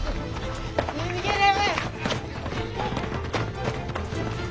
逃げれ！